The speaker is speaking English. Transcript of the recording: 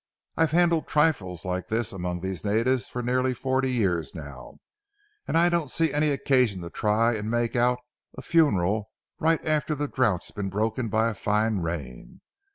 I've handled trifles like this among these natives for nearly forty years now, and I don't see any occasion to try and make out a funeral right after the drouth's been broken by a fine rain.